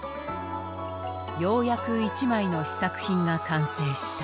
ようやく１枚の試作品が完成した。